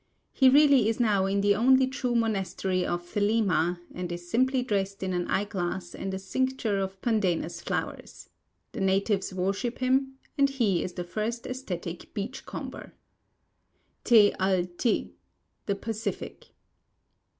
He really is now in the only true Monastery of Thelema, and is simply dressed in an eye glass and a cincture of pandanus flowers. The natives worship him, and he is the First Æsthetic Beach comber. Te a Iti, The Pacific.